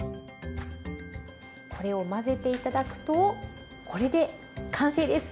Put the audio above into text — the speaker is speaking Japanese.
これを混ぜて頂くとこれで完成です。